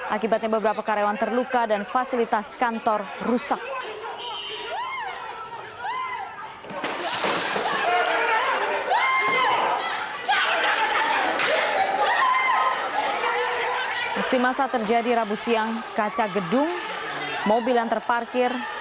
akibatnya beberapa karyawan terluka dan fasilitas kantor rusak